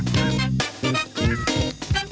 มาเยอะจริงวันเนี้ย